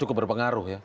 cukup berpengaruh ya